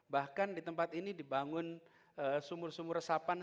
bahkan di tempat ini dibangun sumur sumur resapan